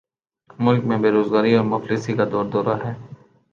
ملک میں بیروزگاری اور مفلسی کا دور دورہ ہو